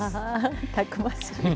たくましい。